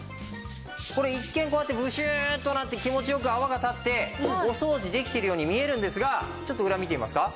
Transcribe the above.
一見こうやってブシューッとなって気持ち良く泡が立ってお掃除できてるように見えるんですがちょっと裏見てみますか？